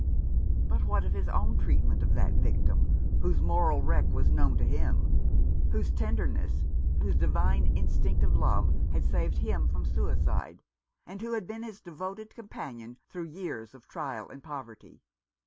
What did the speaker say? But what of his own treat ment of that victim, whose moral wreck was known to him, whose tenderness, whose divine instinct of love had saved him from suicide, and who had been his devoted companion through years of trial and poverty